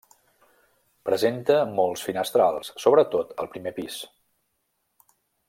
Presenta molts finestrals, sobretot al primer pis.